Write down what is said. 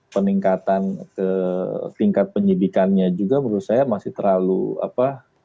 peningkatan ke tingkat penyidikannya juga menurut saya masih terlalu apa